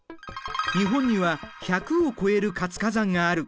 日本には１００を超える活火山がある。